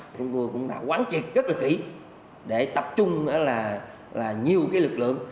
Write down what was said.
chúng tôi cũng đã quán triệt rất là kỹ để tập trung nhiều lực lượng